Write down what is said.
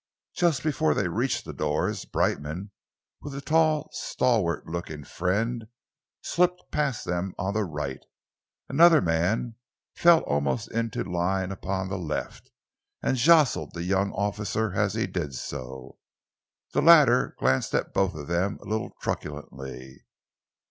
Just before they reached the doors, Brightman, with a tall, stalwart looking friend, slipped past them on the right. Another man fell almost into line upon the left, and jostled the young officer as he did so. The latter glanced at both of them a little truculently.